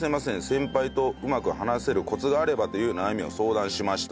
先輩とうまく話せるコツがあればという悩みを相談しました。